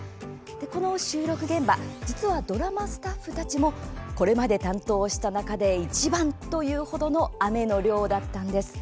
この収録現場実はドラマスタッフたちもこれまで担当した中でいちばんと言う程の雨の量だったんです。